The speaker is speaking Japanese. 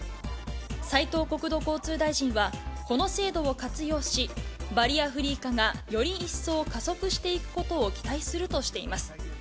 斉藤国土交通大臣はこの制度を活用し、バリアフリー化がより一層加速していくことを期待するとしています。